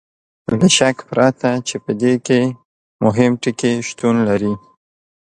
له شک پرته چې په دې کې مهم ټکي شتون لري.